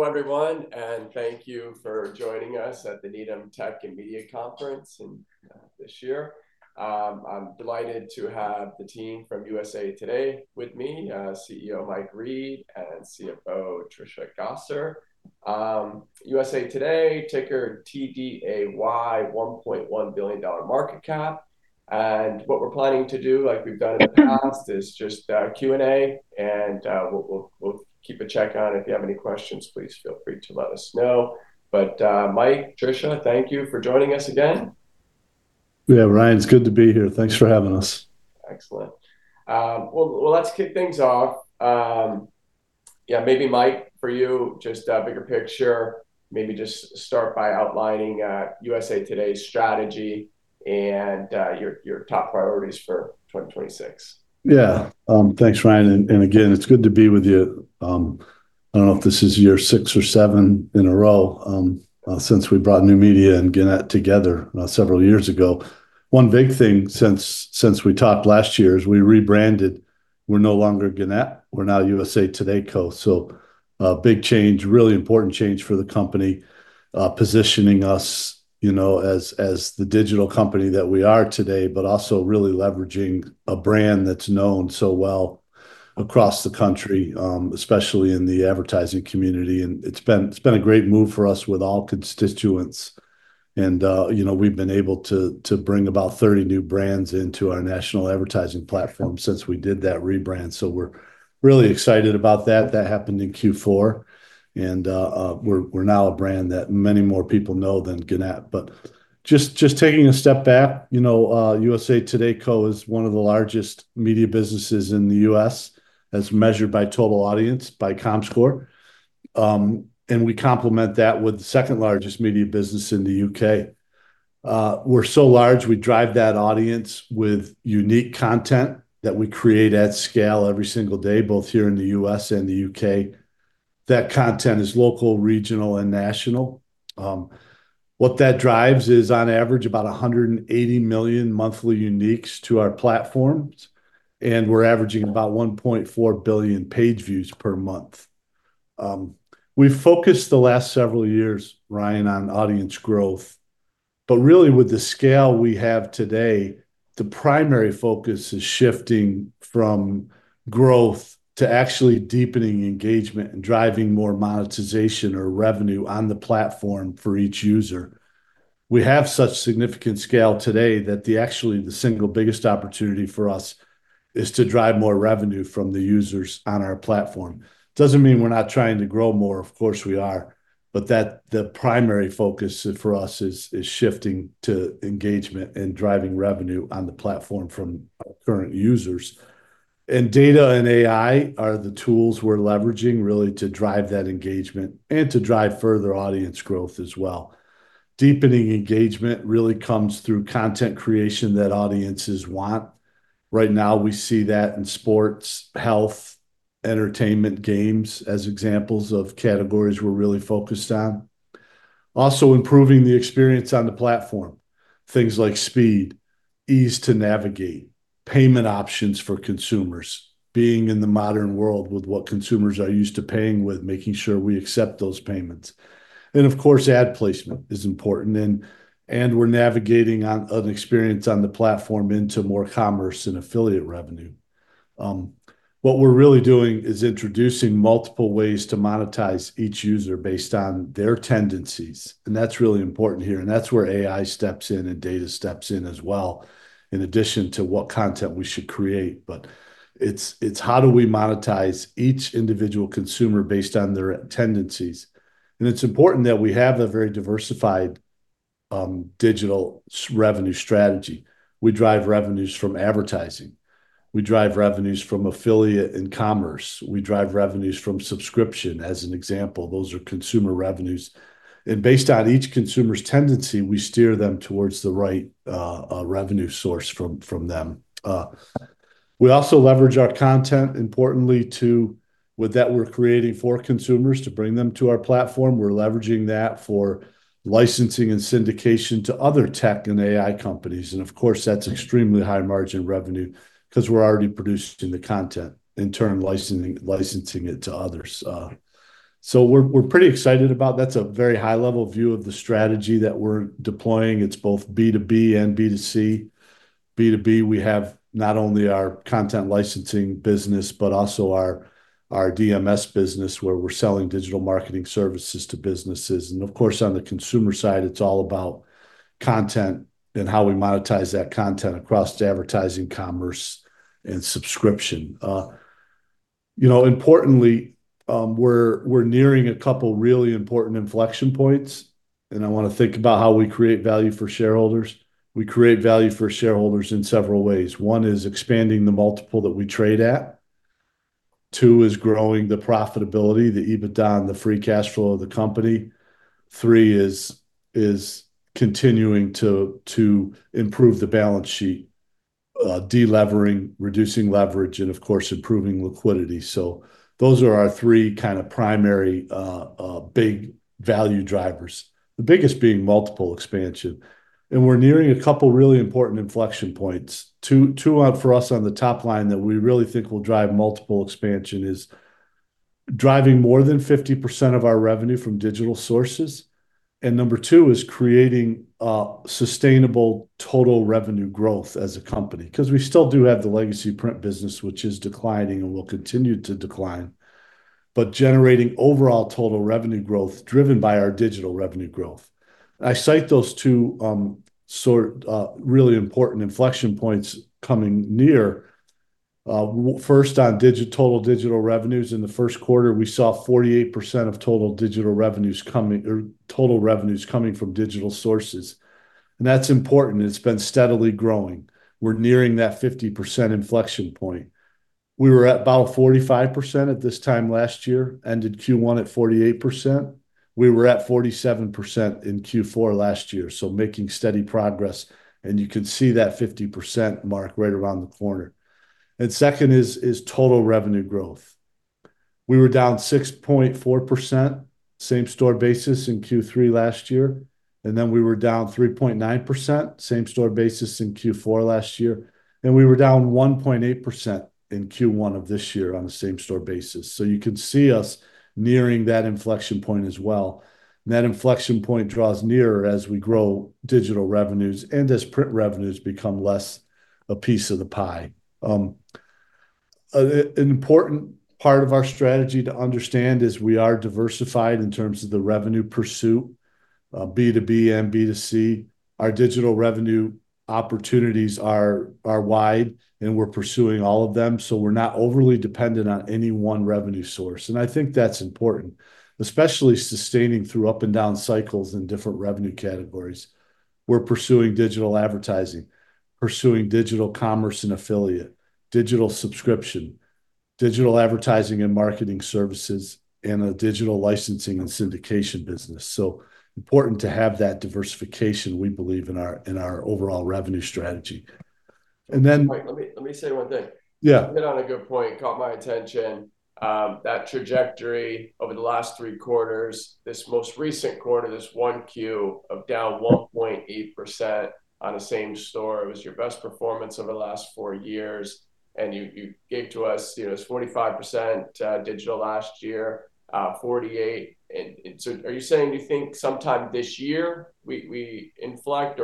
Great. Hello, everyone, and thank you for joining us at the Needham Tech and Media Conference in this year. I'm delighted to have the team from USA TODAY with me, CEO Mike Reed and CFO Trisha Gosser. USA TODAY, ticker TDAY, $1.1 billion market cap. What we're planning to do, like we've done in the past, is just Q&A, and we'll keep a check on if you have any questions, please feel free to let us know. Mike, Trisha, thank you for joining us again. Yeah, Ryan, it's good to be here. Thanks for having us. Excellent. Well, let's kick things off. Yeah, maybe Mike, for you, just a bigger picture. Maybe just start by outlining USA TODAY's strategy and your top priorities for 2026. Yeah. Thanks, Ryan, and again, it's good to be with you. I don't know if this is year six or seven in a row, since we brought New Media and Gannett together several years ago. One big thing since we talked last year is we rebranded. We're no longer Gannett, we're now USA TODAY Co. A big change, really important change for the company, positioning us, you know, as the digital company that we are today, but also really leveraging a brand that's known so well across the country, especially in the advertising community, it's been a great move for us with all constituents. You know, we've been able to bring about 30 new brands into our national advertising platform since we did that rebrand. We're really excited about that. That happened in Q4. We're now a brand that many more people know than Gannett. Just taking a step back, you know, USA TODAY Co. is one of the largest media businesses in the U.S. as measured by total audience by Comscore. We complement that with the second-largest media business in the U.K. We're so large, we drive that audience with unique content that we create at scale every single day, both here in the U.S. and the U.K. That content is local, regional and national. What that drives is on average about 180 million monthly uniques to our platforms, and we're averaging about 1.4 billion page views per month. We've focused the last several years, Ryan, on audience growth, but really with the scale we have today, the primary focus is shifting from growth to actually deepening engagement and driving more monetization or revenue on the platform for each user. We have such significant scale today that actually, the single biggest opportunity for us is to drive more revenue from the users on our platform. Doesn't mean we're not trying to grow more. Of course we are. The primary focus for us is shifting to engagement and driving revenue on the platform from our current users. Data and AI are the tools we're leveraging really to drive that engagement and to drive further audience growth as well. Deepening engagement really comes through content creation that audiences want. Right now, we see that in sports, health, entertainment, games as examples of categories we're really focused on. Also improving the experience on the platform, things like speed, ease to navigate, payment options for consumers, being in the modern world with what consumers are used to paying with, making sure we accept those payments. Of course, ad placement is important, and we're navigating an experience on the platform into more commerce and affiliate revenue. What we're really doing is introducing multiple ways to monetize each user based on their tendencies, and that's really important here, and that's where AI steps in and data steps in as well, in addition to what content we should create. It's how do we monetize each individual consumer based on their tendencies. It's important that we have a very diversified digital revenue strategy. We drive revenues from advertising. We drive revenues from affiliate and commerce. We drive revenues from subscription, as an example. Those are consumer revenues. Based on each consumer's tendency, we steer them towards the right revenue source from them. We also leverage our content importantly with that we're creating for consumers to bring them to our platform. We're leveraging that for licensing and syndication to other tech and AI companies. Of course, that's extremely high margin revenue 'cause we're already producing the content, in turn licensing it to others. We're pretty excited about that's a very high-level view of the strategy that we're deploying. It's both B2B and B2C. B2B, we have not only our content licensing business, but also our DMS business, where we're selling digital marketing services to businesses. Of course, on the consumer side, it's all about content and how we monetize that content across advertising, commerce and subscription. You know, importantly, we're nearing a couple really important inflection points. I wanna think about how we create value for shareholders. We create value for shareholders in several ways. One is expanding the multiple that we trade at. Two is growing the profitability, the EBITDA and the free cash flow of the company. Three is continuing to improve the balance sheet, de-levering, reducing leverage, and of course, improving liquidity. Those are our three kinda primary big value drivers, the biggest being multiple expansion. We're nearing a couple really important inflection points. Two on for us on the top line that we really think will drive multiple expansion is driving more than 50% of our revenue from digital sources, and number two is creating sustainable total revenue growth as a company. 'Cause we still do have the legacy print business, which is declining and will continue to decline, but generating overall total revenue growth driven by our digital revenue growth. I cite those two, sort, really important inflection points coming near. First, on total digital revenues in the first quarter, we saw 48% of total digital revenues coming or total revenues coming from digital sources, and that's important. It's been steadily growing. We're nearing that 50% inflection point. We were at about 45% at this time last year, ended Q1 at 48%. We were at 47% in Q4 last year, so making steady progress, and you can see that 50% mark right around the corner. Second is total revenue growth. We were down 6.4% same-store basis in Q3 last year, and then we were down 3.9% same-store basis in Q4 last year, and we were down 1.8% in Q1 of this year on the same-store basis. You can see us nearing that inflection point as well. That inflection point draws nearer as we grow digital revenues and as print revenues become less a piece of the pie. An important part of our strategy to understand is we are diversified in terms of the revenue pursuit, B2B and B2C. Our digital revenue opportunities are wide, and we're pursuing all of them, so we're not overly dependent on any one revenue source. I think that's important, especially sustaining through up and down cycles in different revenue categories. We're pursuing digital advertising, pursuing digital commerce and affiliate, digital subscription, digital advertising and marketing services, and a digital licensing and syndication business. Important to have that diversification, we believe, in our overall revenue strategy. Wait, let me say one thing. Yeah. You hit on a good point. It caught my attention. That trajectory over the last three quarters, this most recent quarter, this 1Q of down 1.8% on the same store was your best performance over the last four years. You gave to us, you know, it's 45% digital last year, 48% in, are you saying you think sometime this year we inflect?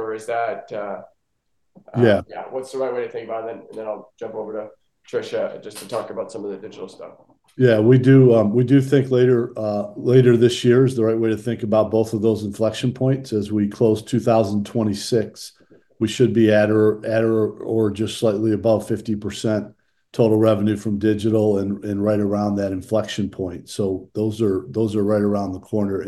Yeah. Yeah, what's the right way to think about it then? I'll jump over to Trisha just to talk about some of the digital stuff. We do think later this year is the right way to think about both of those inflection points. As we close 2026, we should be at, or just slightly above 50% total revenue from digital, and right around that inflection point. Those are right around the corner.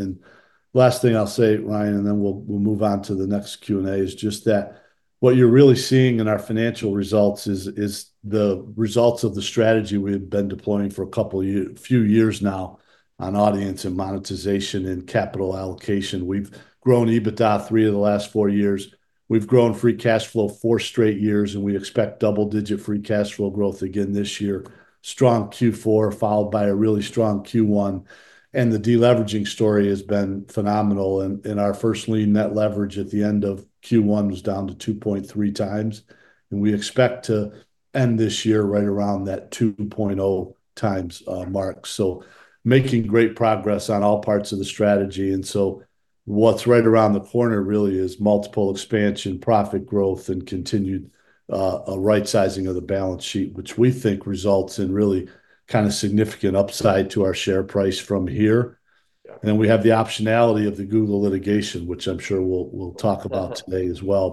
Last thing I'll say, Ryan, then we'll move on to the next Q&A, is just that what you're really seeing in our financial results is the results of the strategy we've been deploying for a couple few years now on audience and monetization and capital allocation. We've grown EBITDA three of the last four years. We've grown free cash flow four straight years, we expect double-digit free cash flow growth again this year. Strong Q4 followed by a really strong Q1, the de-leveraging story has been phenomenal in our first lien net leverage at the end of Q1 was down to 2.3x, we expect to end this year right around that 2.0x mark. Making great progress on all parts of the strategy. What's right around the corner really is multiple expansion, profit growth, and continued a right sizing of the balance sheet, which we think results in really kinda significant upside to our share price from here. Yeah. We have the optionality of the Google litigation, which I'm sure we'll talk about today as well.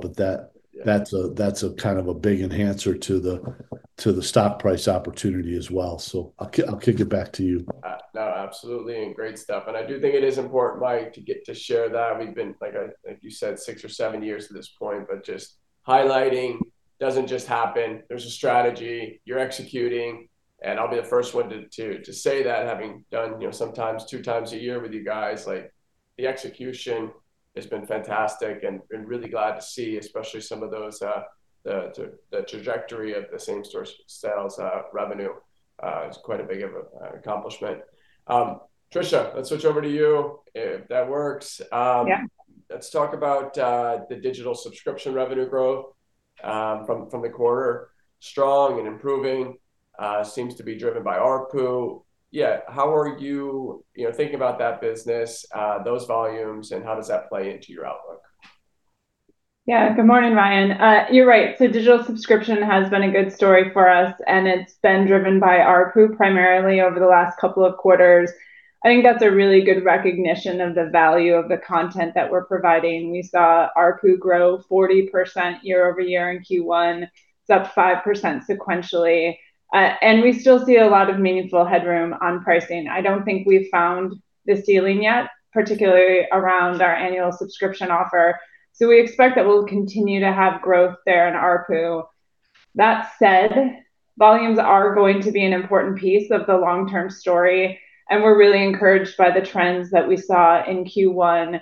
Yeah. That's a kind of a big enhancer to the stock price opportunity as well. I'll kick it back to you. No, absolutely, great stuff. I do think it is important, Mike, to get to share that. We've been, like you said, six or seven years to this point, but just highlighting doesn't just happen. There's a strategy. You're executing, I'll be the first one to say that having done, you know, sometimes two times a year with you guys, like, the execution has been fantastic and been really glad to see, especially some of those, the trajectory of the same-store sales revenue is quite a big of an accomplishment. Trisha, let's switch over to you if that works. Yeah. Let's talk about the digital subscription revenue growth from the quarter. Strong and improving seems to be driven by ARPU. How are you know, thinking about that business, those volumes, and how does that play into your outlook? Yeah. Good morning, Ryan. You're right. Digital subscription has been a good story for us, and it's been driven by ARPU primarily over the last couple of quarters. I think that's a really good recognition of the value of the content that we're providing. We saw ARPU grow 40% year-over-year in Q1. It's up 5% sequentially. We still see a lot of meaningful headroom on pricing. I don't think we've found the ceiling yet, particularly around our annual subscription offer. We expect that we'll continue to have growth there in ARPU. That said, volumes are going to be an important piece of the long-term story, and we're really encouraged by the trends that we saw in Q1.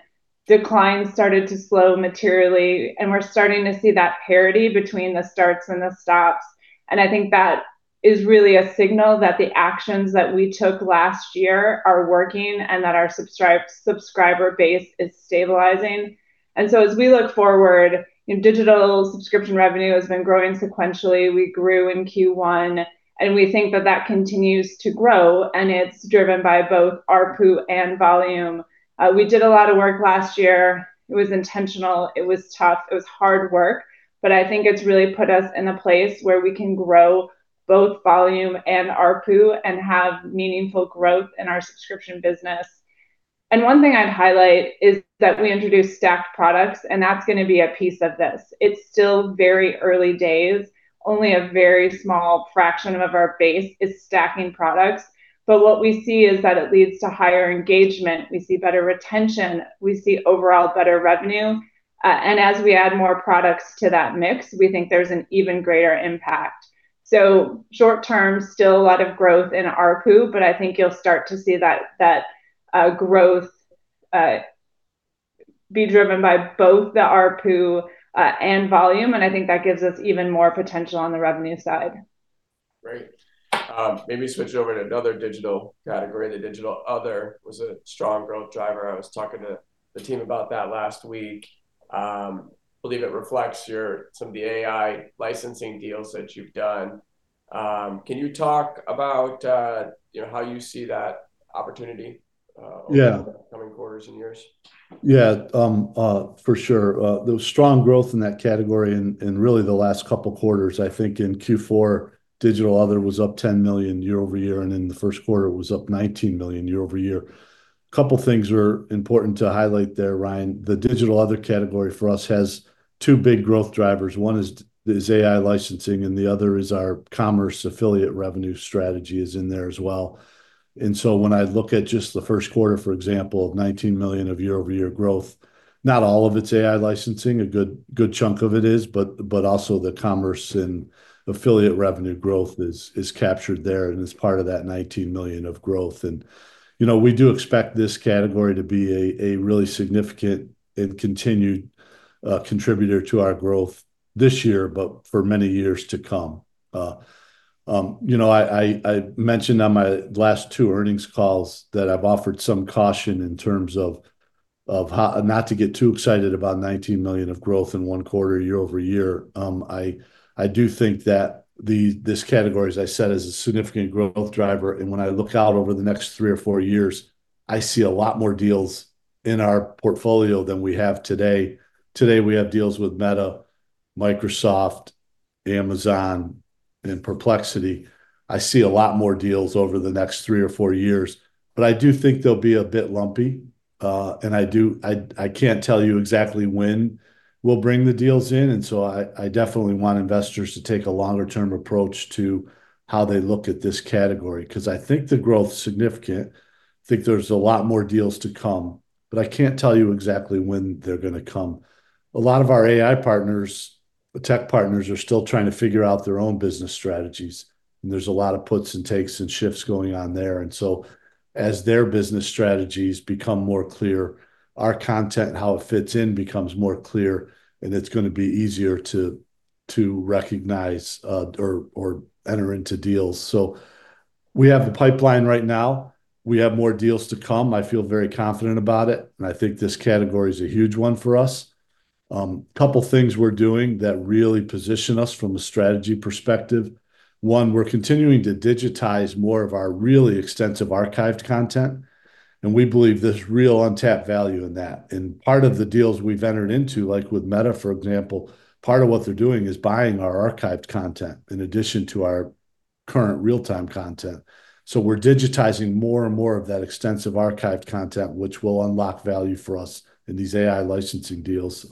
Decline started to slow materially, and we're starting to see that parity between the starts and the stops, and I think that is really a signal that the actions that we took last year are working and that our subscriber base is stabilizing. As we look forward, you know, digital subscription revenue has been growing sequentially. We grew in Q1, and we think that that continues to grow, and it's driven by both ARPU and volume. We did a lot of work last year. It was intentional. It was tough. It was hard work. I think it's really put us in a place where we can grow both volume and ARPU and have meaningful growth in our subscription business. One thing I'd highlight is that we introduced stacked products, and that's going to be a piece of this. It's still very early days. Only a very small fraction of our base is stacking products. What we see is that it leads to higher engagement. We see better retention. We see overall better revenue. And as we add more products to that mix, we think there's an even greater impact. Short term, still a lot of growth in ARPU, but I think you'll start to see that growth be driven by both the ARPU and volume, and I think that gives us even more potential on the revenue side. Great. Maybe switch over to another digital category. The digital other was a strong growth driver. I was talking to the team about that last week. Believe it reflects some of the AI licensing deals that you've done. Can you talk about, you know, how you see that opportunity- Yeah.... Over the coming quarters and years? Yeah. For sure. There was strong growth in that category in really the last couple quarters. I think in Q4, digital other was up $10 million year-over-year, and in the first quarter was up $19 million year-over-year. Two things are important to highlight there, Ryan. The digital other category for us has two big growth drivers. One is AI licensing, and the other is our commerce affiliate revenue strategy is in there as well. When I look at just the first quarter, for example, of $19 million of year-over-year growth, not all of it's AI licensing. A good chunk of it is, but also the commerce and affiliate revenue growth is captured there and is part of that $19 million of growth. You know, we do expect this category to be a really significant and continued contributor to our growth this year, but for many years to come. You know, I mentioned on my last two earnings calls that I've offered some caution in terms of not to get too excited about $19 million of growth in one quarter year-over-year. I do think that this category, as I said, is a significant growth driver, and when I look out over the next three or four years, I see a lot more deals in our portfolio than we have today. Today, we have deals with Meta, Microsoft, Amazon, and Perplexity. I see a lot more deals over the next three or four years, but I do think they'll be a bit lumpy. I can't tell you exactly when we'll bring the deals in. I definitely want investors to take a longer-term approach to how they look at this category. 'Cause I think the growth's significant. Think there's a lot more deals to come, but I can't tell you exactly when they're gonna come. A lot of our AI partners, tech partners are still trying to figure out their own business strategies. There's a lot of puts and takes and shifts going on there. As their business strategies become more clear, our content and how it fits in becomes more clear, and it's gonna be easier to recognize or enter into deals. We have the pipeline right now. We have more deals to come. I feel very confident about it, and I think this category is a huge one for us. Couple things we're doing that really position us from a strategy perspective. One, we're continuing to digitize more of our really extensive archived content, and we believe there's real untapped value in that. Part of the deals we've entered into, like with Meta, for example, part of what they're doing is buying our archived content in addition to our current real-time content. We're digitizing more and more of that extensive archived content, which will unlock value for us in these AI licensing deals.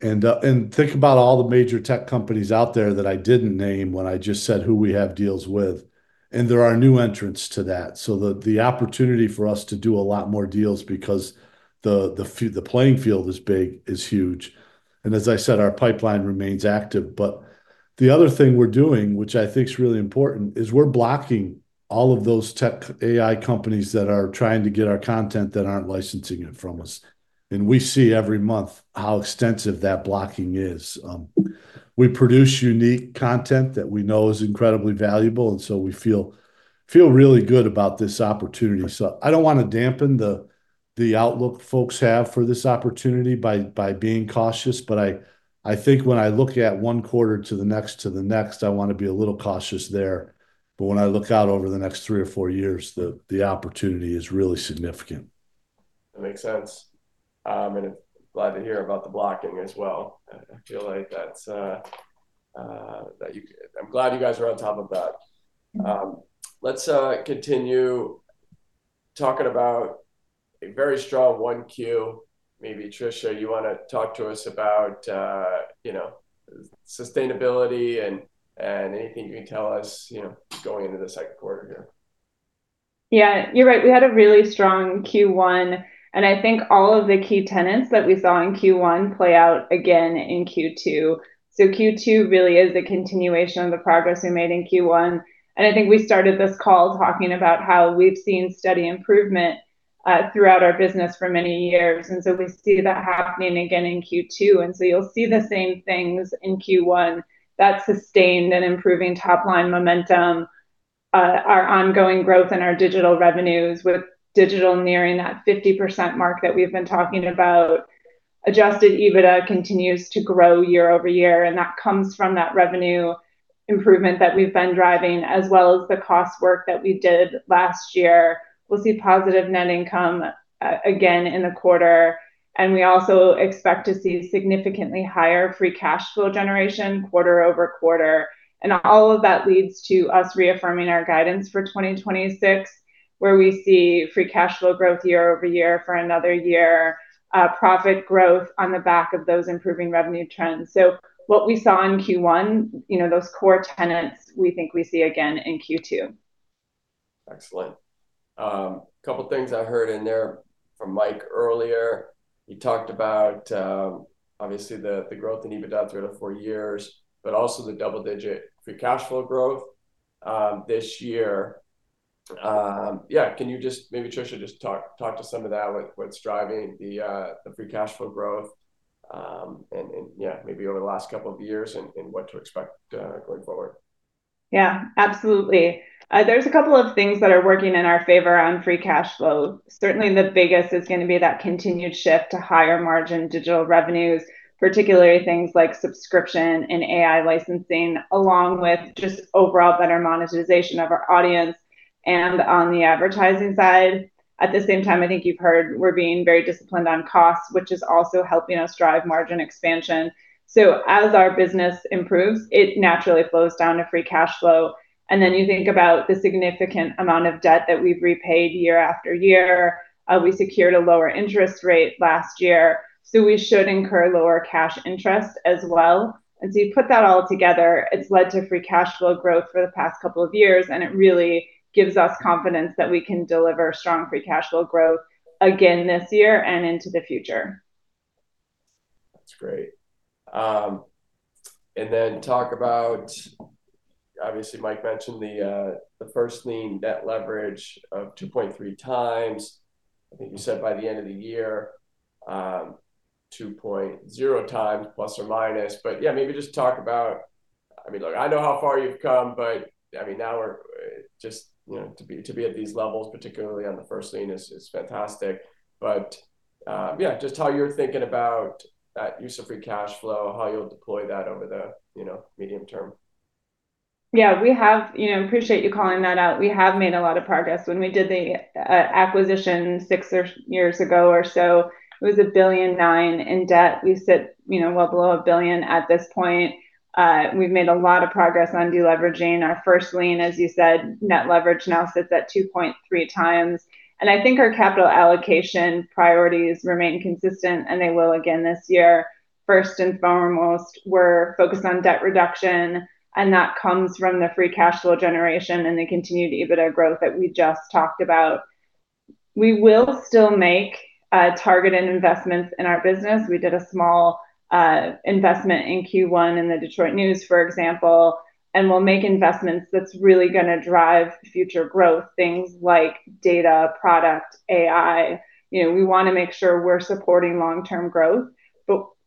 Think about all the major tech companies out there that I didn't name when I just said who we have deals with, and there are new entrants to that. The opportunity for us to do a lot more deals because the playing field is big, is huge. Our pipeline remains active. We're blocking all of those tech AI companies that are trying to get our content that aren't licensing it from us. We see every month how extensive that blocking is. We produce unique content that we know is incredibly valuable, we feel really good about this opportunity. I don't wanna dampen the outlook folks have for this opportunity by being cautious, but I think when I look at one quarter to the next to the next, I wanna be a little cautious there. When I look out over the next three or four years, the opportunity is really significant. That makes sense. And glad to hear about the blocking as well. I feel like that's, I'm glad you guys are on top of that. Let's continue talking about a very strong 1Q. Maybe, Trisha, you wanna talk to us about, you know, sustainability and anything you can tell us, you know, going into the second quarter here. Yeah, you're right. We had a really strong Q1 and I think all of the key tenets that we saw in Q1 play out again in Q2. Q2 really is a continuation of the progress we made in Q1. I think we started this call talking about how we've seen steady improvement throughout our business for many years, we see that happening again in Q2. You'll see the same things in Q1, that sustained and improving top-line momentum, our ongoing growth in our digital revenues, with digital nearing that 50% mark that we've been talking about. Adjusted EBITDA continues to grow year-over-year, that comes from that revenue improvement that we've been driving, as well as the cost work that we did last year. We'll see positive net income again in the quarter, and we also expect to see significantly higher free cash flow generation quarter-over-quarter. All of that leads to us reaffirming our guidance for 2026, where we see free cash flow growth year-over-year for another year, profit growth on the back of those improving revenue trends. What we saw in Q1, you know, those core tenets we think we see again in Q2. Excellent. Couple things I heard in there from Mike earlier. He talked about, obviously, the growth in EBITDA three to four years, but also the double-digit free cash flow growth this year. Can you just, maybe Trisha, just talk to some of that, what's driving the free cash flow growth, maybe over the last couple of years and what to expect going forward? Yeah, absolutely. There's a couple of things that are working in our favor on free cash flow. Certainly, the biggest is going to be that continued shift to higher margin digital revenues, particularly things like subscription and AI licensing, along with just overall better monetization of our audience. On the advertising side, at the same time, I think you've heard we're being very disciplined on costs, which is also helping us drive margin expansion. As our business improves, it naturally flows down to free cash flow. You think about the significant amount of debt that we've repaid year after year. We secured a lower interest rate last year, so we should incur lower cash interest as well. As you put that all together, it's led to free cash flow growth for the past couple of years, and it really gives us confidence that we can deliver strong free cash flow growth again this year and into the future. That's great. Talk about, obviously, Mike mentioned the first lien debt leverage of 2.3x. I think you said by the end of the year, ±2.0x. Yeah, maybe just talk about I mean, look, I know how far you've come, but I mean, now we're just, you know, to be at these levels, particularly on the first lien is fantastic. Yeah, just how you're thinking about that use of free cash flow, how you'll deploy that over the medium term. We have, you know, appreciate you calling that out. We have made a lot of progress. When we did the acquisition six years ago or so, it was $1.09 billion in debt. We sit, you know, well below $1 billion at this point. We've made a lot of progress on deleveraging. Our first lien, as you said, net leverage now sits at 2.3x. I think our capital allocation priorities remain consistent, and they will again this year. First and foremost, we're focused on debt reduction, and that comes from the free cash flow generation and the continued EBITDA growth that we just talked about. We will still make targeted investments in our business. We did a small investment in Q1 in The Detroit News, for example. We'll make investments that's really gonna drive future growth, things like data, product, AI. You know, we wanna make sure we're supporting long-term growth.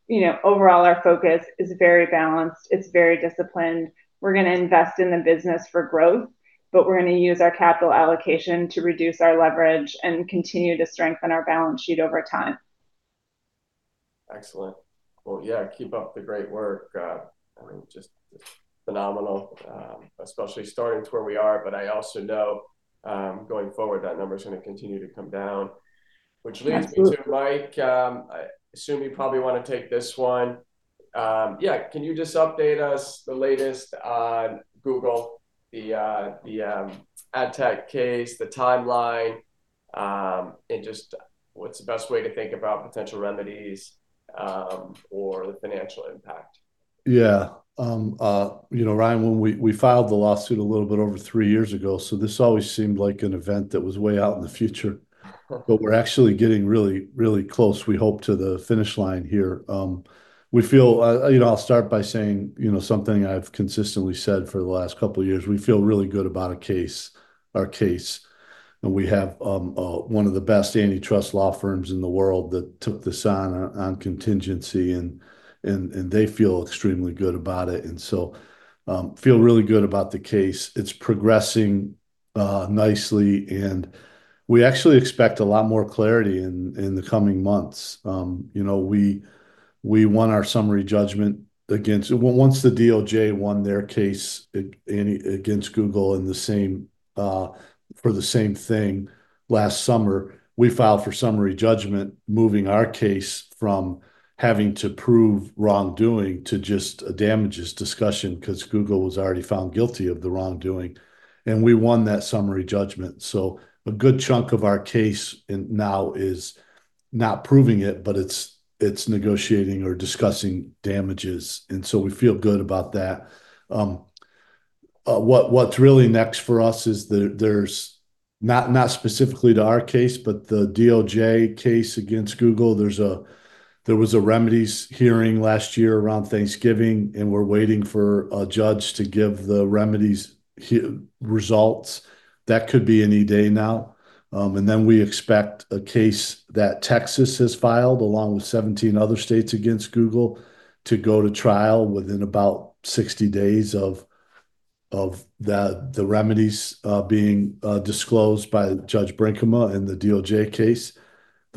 You know, overall, our focus is very balanced. It's very disciplined. We're gonna invest in the business for growth, but we're gonna use our capital allocation to reduce our leverage and continue to strengthen our balance sheet over time. Excellent. Well, yeah, keep up the great work. I mean, just phenomenal, especially starting to where we are, but I also know, going forward that number's gonna continue to come down. Absolutely. Which leads me to Mike. I assume you probably wanna take this one. Yeah, can you just update us the latest on Google, the ad tech case, the timeline, just what's the best way to think about potential remedies, or the financial impact? Yeah. You know, Ryan, when we filed the lawsuit a little bit over three years ago. This always seemed like an event that was way out in the future. We're actually getting really, really close, we hope, to the finish line here. We feel, you know, I'll start by saying, you know, something I've consistently said for the last couple years, we feel really good about a case, our case, and we have one of the best antitrust law firms in the world that took this on contingency, and they feel extremely good about it. Feel really good about the case. It's progressing nicely, and we actually expect a lot more clarity in the coming months. You know, we won our summary judgment against, once the DOJ won their case, against Google in the same, for the same thing last summer. We filed for summary judgment, moving our case from having to prove wrongdoing to just a damages discussion, 'cause Google was already found guilty of the wrongdoing. We won that summary judgment. A good chunk of our case now is not proving it, but it's negotiating or discussing damages. We feel good about that. What's really next for us is there's, not specifically to our case, but the DOJ case against Google, there was a remedies hearing last year around Thanksgiving. We're waiting for a judge to give the remedies results. That could be any day now. We expect a case that Texas has filed, along with 17 other states against Google, to go to trial within about 60 days of the remedies being disclosed by Judge Brinkema in the DOJ case.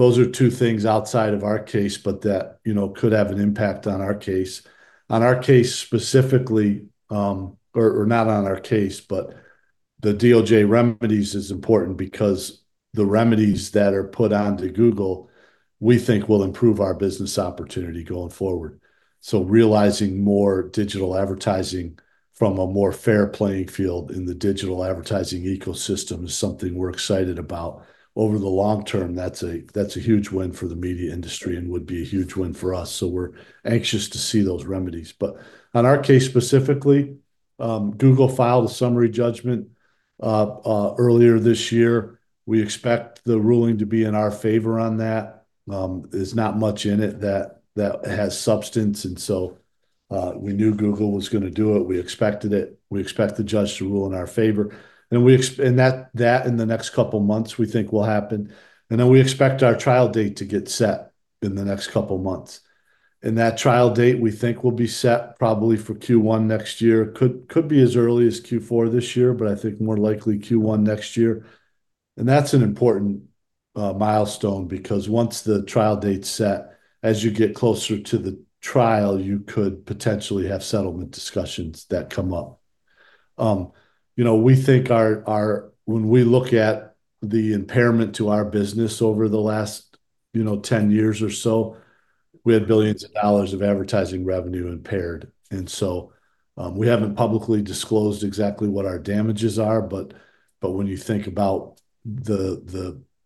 Those are two things outside of our case but that, you know, could have an impact on our case. On our case specifically, or not on our case, but the DOJ remedies is important because the remedies that are put onto Google, we think will improve our business opportunity going forward. Realizing more digital advertising from a more fair playing field in the digital advertising ecosystem is something we're excited about. Over the long term, that's a huge win for the media industry and would be a huge win for us, so we're anxious to see those remedies. On our case specifically, Google filed a summary judgment earlier this year. We expect the ruling to be in our favor on that. There's not much in it that has substance and so, we knew Google was gonna do it. We expected it. We expect the judge to rule in our favor. That in the next couple months we think will happen. Then we expect our trial date to get set in the next couple months. That trial date, we think, will be set probably for Q1 next year. Could be as early as Q4 this year, but I think more likely Q1 next year. That's an important milestone because once the trial date's set, as you get closer to the trial, you could potentially have settlement discussions that come up. You know, we think our, wen we look at the impairment to our business over the last, you know, 10 years or so, we had billions of dollars of advertising revenue impaired. We haven't publicly disclosed exactly what our damages are, but when you think about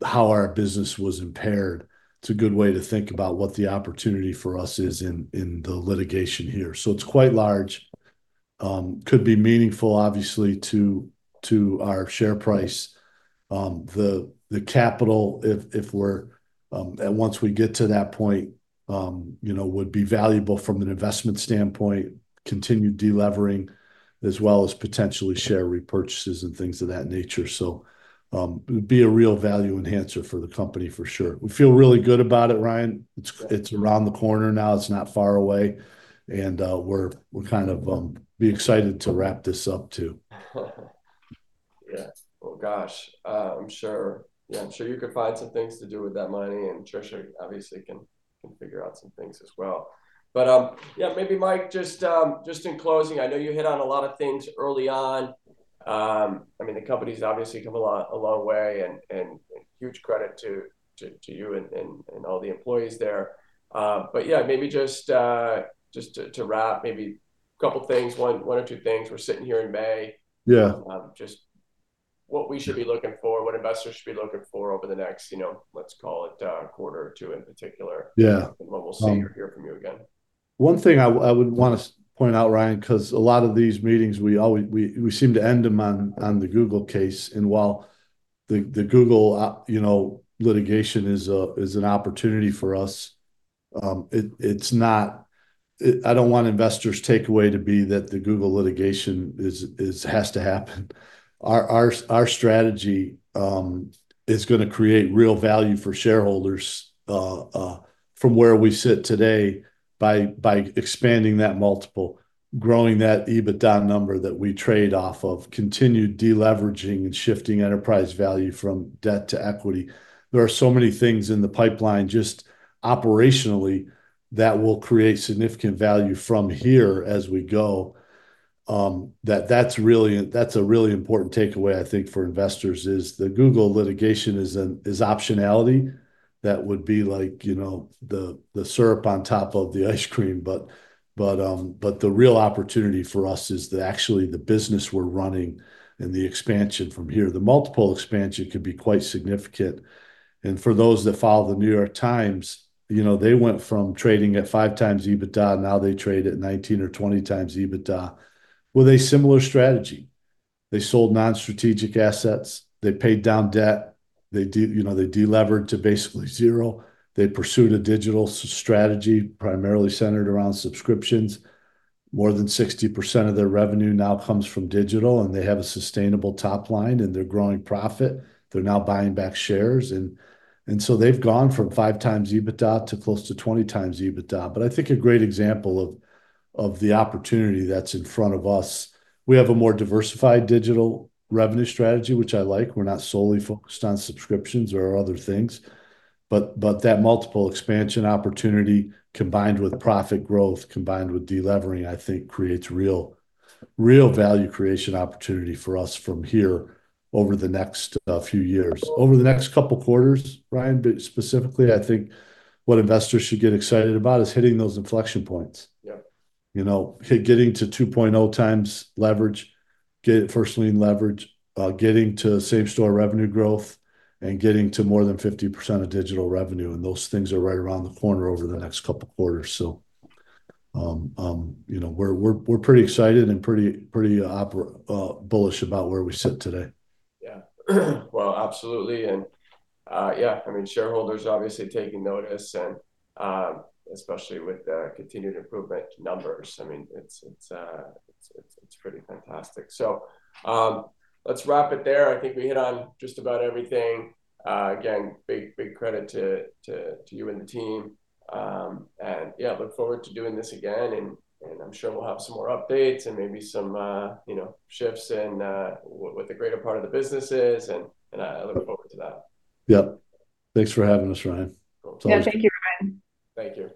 how our business was impaired, it's a good way to think about what the opportunity for us is in the litigation here. It's quite large. Could be meaningful, obviously, to our share price. The capital if we're, and once we get to that point, you know, would be valuable from an investment standpoint, continued de-levering, as well as potentially share repurchases and things of that nature. It would be a real value enhancer for the company for sure. We feel really good about it, Ryan. It's around the corner now. It's not far away, and we're kind of excited to wrap this up, too. Yeah. Well, gosh, I'm sure you could find some things to do with that money, and Trisha obviously can figure out some things, as well. Yeah, maybe Mike, just in closing, I know you hit on a lot of things early on. I mean, the company's obviously come a long way and a huge credit to you and all the employees there. Yeah, maybe just to wrap maybe a couple things, one or two things. We're sitting here in May. Yeah. Just what we should be looking for, what investors should be looking for over the next, you know, let's call it, quarter or two in particular? Yeah. When we'll see or hear from you again? One thing I would point out, Ryan, because a lot of these meetings we seem to end them on the Google case. While the Google, you know, litigation is an opportunity for us, it's not, I don't want investors' takeaway to be that the Google litigation is, has to happen. Our strategy is going to create real value for shareholders from where we sit today by expanding that multiple, growing that EBITDA number that we trade off of, continued de-leveraging and shifting enterprise value from debt to equity. There are so many things in the pipeline just, operationally, that will create significant value from here as we go. That's a really important takeaway I think for investors is, the Google litigation is optionality that would be like the syrup on top of the ice cream. The real opportunity for us is that actually the business we're running and the expansion from here. The multiple expansion could be quite significant. For those that follow The New York Times, they went from trading at 5x EBITDA, now they trade at 19x or 20x EBITDA with a similar strategy. They sold non-strategic assets. They paid down debt. They de-levered to basically zero. They pursued a digital strategy primarily centered around subscriptions. More than 60% of their revenue now comes from digital, they have a sustainable top line, they're growing profit. They're now buying back shares. They've gone from 5x EBITDA to close to 20x EBITDA. I think a great example of the opportunity that's in front of us, we have a more diversified digital revenue strategy, which I like. We're not solely focused on subscriptions. There are other things but that multiple expansion opportunity combined with profit growth, combined with de-levering I think creates real value creation opportunity for us, from here over the next few years. Over the next couple quarters, Ryan, specifically I think what investors should get excited about is hitting those inflection points. Yeah. You know. Hit getting to 2.0x leverage, get first lien leverage, getting to same-store revenue growth, and getting to more than 50% of digital revenue. Those things are right around the corner over the next couple quarters. You know, we're pretty excited and pretty bullish about where we sit today. Yeah. Well, absolutely. Yeah, I mean, shareholders obviously taking notice and, especially with the continued improvement numbers. I mean, it's pretty fantastic. Let's wrap it there. I think we hit on just about everything. Big credit to you and the team. Yeah, look forward to doing this again, and I'm sure we'll have some more updates and maybe some, you know, shifts in, what the greater part of the business is and I look forward to that. Yep. Thanks for having us, Ryan. Yeah. Thank you, Ryan. Thank you.